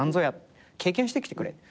「経験してきてくれ」